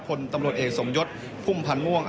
คนตำรวจเอกสมยศพุ่มพันธ์ม่วง